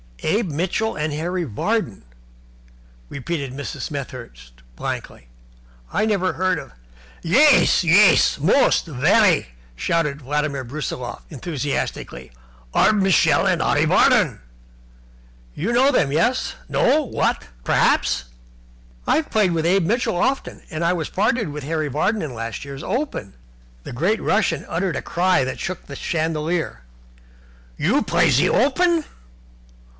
"Abe Mitchell and Harry Vardon?" repeated Mrs. Smethurst, blankly. "I never heard of " "Yais! Yais! Most! Very!" shouted Vladimir Brusiloff, enthusiastically. "Arbmishel and Arreevadon. You know them, yes, what, no, perhaps?" "I've played with Abe Mitchell often, and I was partnered with Harry Vardon in last year's Open." The great Russian uttered a cry that shook the chandelier. "You play in ze Open?